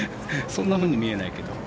そんなふうに見えないけど。